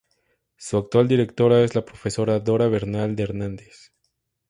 Su actual Directora es la profesora Dora Bernal de Hernández.